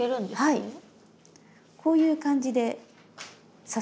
はい。